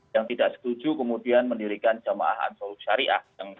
yang tidak setuju kemudian mendirikan jamaah ansaul syariah